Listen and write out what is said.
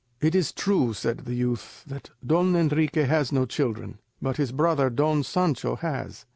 "It is true," said the youth, "that Don Enrique has no children, but his brother Don Sancho has."